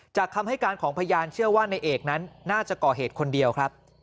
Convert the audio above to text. คำให้การของพยานเชื่อว่าในเอกนั้นน่าจะก่อเหตุคนเดียวครับ